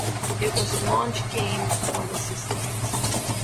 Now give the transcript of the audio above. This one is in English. It was a launch game for the system.